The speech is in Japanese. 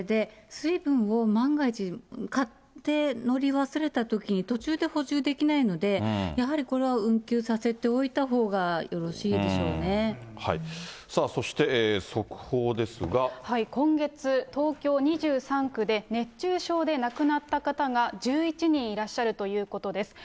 水分を万が一、買って乗り忘れたときに、途中で補充できないので、やはりこれは運休させておいたほうがよさあ、今月、東京２３区で熱中症で亡くなった方が１１人いらっしゃるということです。